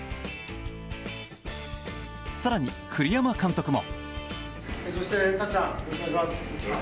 更に、栗山監督も。